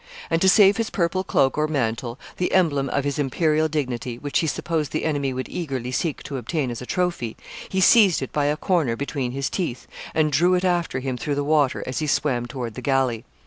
And to save his purple cloak or mantle, the emblem of his imperial dignity, which he supposed the enemy would eagerly seek to obtain as a trophy, he seized it by a corner between his teeth, and drew it after him through the water as he swam toward the galley.